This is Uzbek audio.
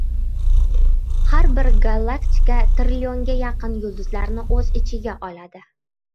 Har bir gallaktika trillionga yaqin yulduzlarni oʻz ichiga oladi.